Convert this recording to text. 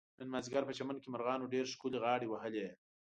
نن مازدیګر په چمن کې مرغانو ډېر ښکلې غاړې وهلې.